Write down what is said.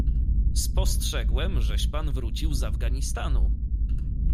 "Spostrzegłem, żeś pan wrócił z Afganistanu."